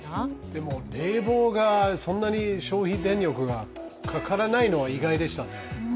でも、冷房がそんなに消費電力がかからないのは意外でしたね。